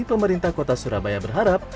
pemerintah kota surabaya berharap